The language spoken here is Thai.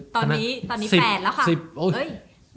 ตอนนี้๘แล้วค่ะ